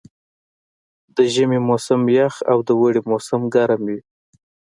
د ژمي موسم یخ او د اوړي موسم ګرم وي.